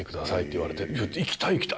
言われて「行きたい行きたい！」